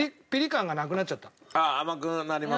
あっ甘くなります？